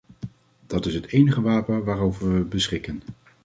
Dat is het enige wapen waarover we beschikken.